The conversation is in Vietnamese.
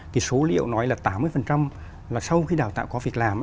cái số liệu nói là tám mươi là sau khi đào tạo có việc làm